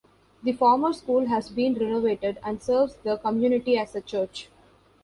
The former school has been renovated and serves the community as a church.